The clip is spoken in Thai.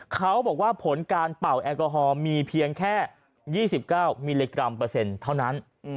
เขาบอกว่าผลการเป่าแอลกอฮอลมีเพียงแค่๒๙มิลลิกรัมเปอร์เซ็นต์เท่านั้น